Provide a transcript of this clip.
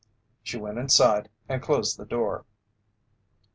She went inside and closed the door.